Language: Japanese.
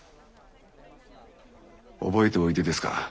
覚えておいでですか？